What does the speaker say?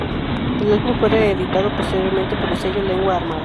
El álbum fue reeditado posteriormente por el sello Lengua Armada.